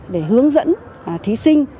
để hướng dẫn thí sinh